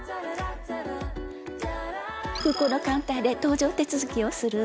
空港のカウンターで搭乗手続きをするという。